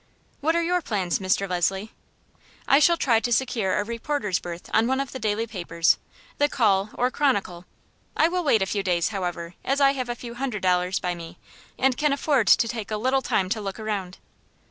"What are your plans, Mr. Leslie?" "I shall try to secure a reporter's berth on one of the daily papers the Call or Chronicle. I will wait a few days, however, as I have a few hundred dollars by me, and can afford to take a little time to look around."